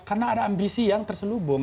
karena ada ambisi yang terselubung